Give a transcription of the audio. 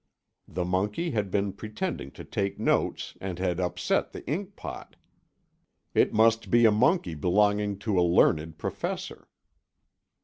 The monkey had been pretending to take notes and had upset the inkpot. It must be a monkey belonging to a learned professor.